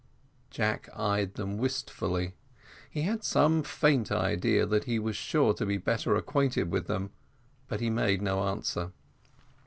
Jack eyed them wistfully; he had some faint idea that he was sure to be better acquainted with them but he made no answer.